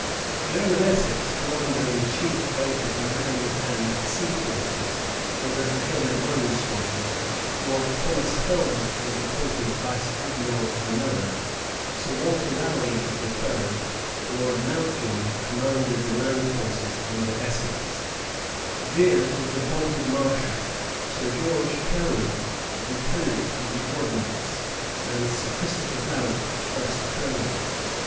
The earl of Essex, commander in chief both of the land and sea forces, was at the head of one squadron; Lord Thomas Howard was appointed vice admiral of another; Sir Walter Raleigh of the third: Lord Mouatjoy commanded the land forces under Essex: Vere was appointed marshal: Sir George Carew lieutenant of the ordnance, and Sir Christopher Blount first colonel.